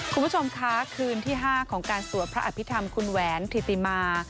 คุณผู้ชมคะคืนที่๕ของการสวดพระอภิษฐรรมคุณแหวนธิติมา